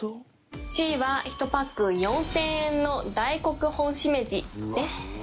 Ｃは１パック４０００円の大黒本しめじです。